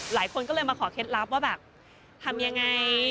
หลายคนก็เลยมาขอเคล็ดลับว่าแบบทำยังไง